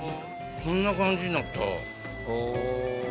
こんな感じになった。